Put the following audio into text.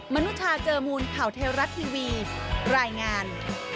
นุชาเจอมูลข่าวเทวรัฐทีวีรายงาน